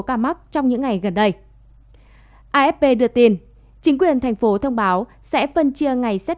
ca mắc trong những ngày gần đây afp đưa tin chính quyền thành phố thông báo sẽ phân chia ngày xét